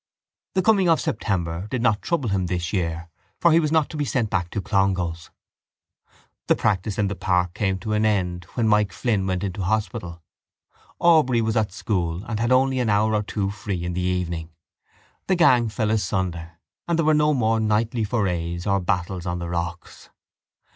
The coming of September did not trouble him this year for he was not to be sent back to Clongowes. The practice in the park came to an end when Mike Flynn went into hospital. Aubrey was at school and had only an hour or two free in the evening. The gang fell asunder and there were no more nightly forays or battles on the rocks.